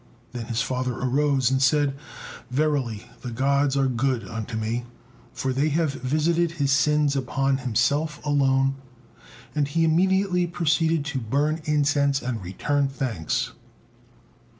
Then his father arose and said, "Verily the Gods are good unto me, for they have visited his sins upon himself alone;" and he immediately proceeded to burn incense and return thanks.